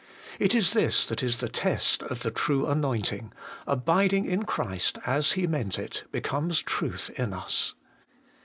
It is this that is the test of the true anointing : abiding in Christ, as He meant it, becomes truth in us.